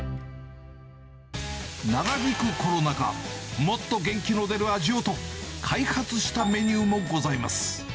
長引くコロナ禍、もっと元気の出る味をと、開発したメニューもございます。